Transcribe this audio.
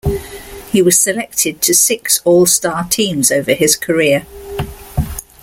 He was selected to six All-Star teams over his career.